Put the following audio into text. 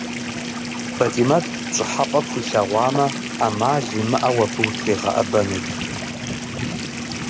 Фэтимэт пщӏыхьэпэ пхуилъагъуамэ, ӏэмал имыӏэу абы утригъэӏэбэнут.